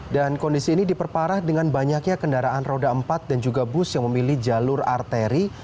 dan kondisi ini diperparah dengan banyaknya kendaraan roda empat dan juga bus yang memilih jalur arteri